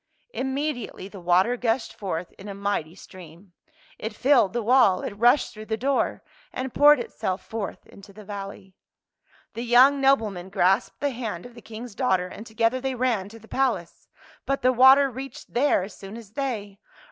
Immediately the water gushed forth in a mighty stream. It filled the wall ; it rushed through the door, and poured itself forth into the valley. [1S7] FAVORITE FAIRY TALES RETOLD The young nobleman grasped the hand of the King's daughter, and together they ran to the palace. But the water reached there as soon as they.